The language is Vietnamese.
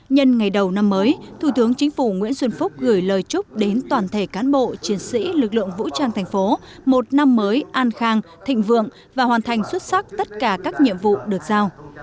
nhân ngày đầu năm mới thủ tướng chính phủ nguyễn xuân phúc gửi lời chúc đến toàn thể cán bộ chiến sĩ lực lượng vũ trang thành phố một năm mới an khang thịnh vượng và hoàn thành xuất sắc tất cả các nhiệm vụ được giao